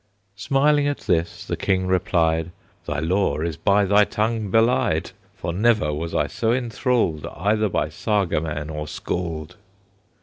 Smiling at this, the King replied, "Thy lore is by thy tongue belied; For never was I so enthralled Either by Saga man or Scald."